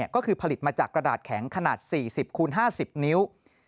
ก็คือผลิตมาจากกระดาษแข็งขนาด๔๐คูณ๕๐นิ้ว